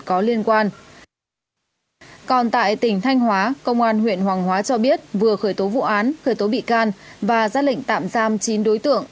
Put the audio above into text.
còn tại tỉnh thanh hóa công an huyện hoàng hóa cho biết vừa khởi tố vụ án khởi tố bị can và ra lệnh tạm giam chín đối tượng